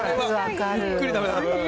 ゆっくり食べたかった。